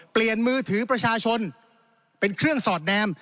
มือถือประชาชนเป็นเครื่องสอดแนม